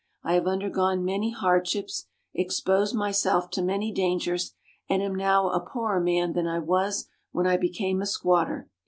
I have undergone many hardships, exposed myself to many dangers, and am now a poorer man than I was when I became a squatter.